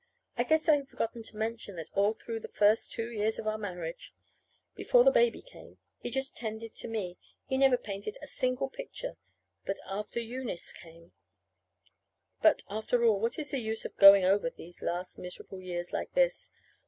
I guess I have forgotten to mention that all through the first two years of our marriage, before the baby came, he just tended to me. He never painted a single picture. But after Eunice came But, after all, what is the use of going over these last miserable years like this?